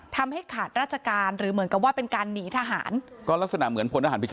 ทำให้ขาดราชการหรือเหมือนกับว่าเป็นการหนีทหารก็ลักษณะเหมือนพลทหารพิเ